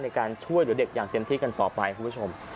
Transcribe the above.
ในการช่วยเหลือเด็กอย่างเต็มที่กันต่อไปคุณผู้ชม